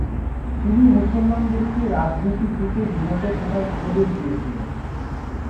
তিনি মুসলমানদেরকে রাজনীতি থেকে বিরত থাকার উপদেশ দিয়েছিলেন।